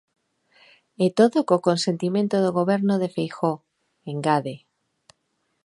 "E todo co consentimento do Goberno de Feijóo", engade.